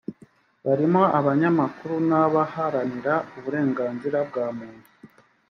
barimo abanyamakuru n abaharanira uburenganzira bwa muntu